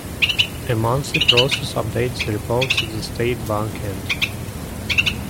A monthly process updates the reports at the State Bank end.